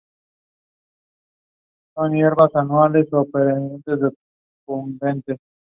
Esta zona llana, con Moscú en su centro, forma una región industrial importante.